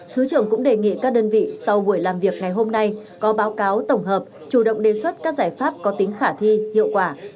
thứ trưởng cũng đề nghị các đơn vị sau buổi làm việc ngày hôm nay có báo cáo tổng hợp chủ động đề xuất các giải pháp có tính khả thi hiệu quả